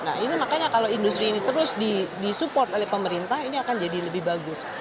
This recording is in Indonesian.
nah ini makanya kalau industri ini terus disupport oleh pemerintah ini akan jadi lebih bagus